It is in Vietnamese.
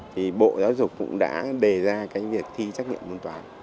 thì bộ giáo dục cũng đã đề ra cái việc thi trách nhiệm môn toán